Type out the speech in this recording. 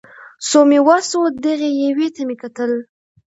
څو مې وس و دغې یوې ته مې کتل